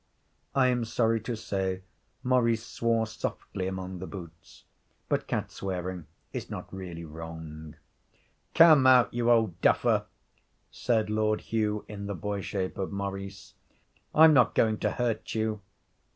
I am sorry to say Maurice swore softly among the boots, but cat swearing is not really wrong. 'Come out, you old duffer,' said Lord Hugh in the boy shape of Maurice. 'I'm not going to hurt you.'